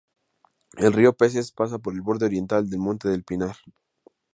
El río Peces pasa por el borde oriental del Monte del Pinar.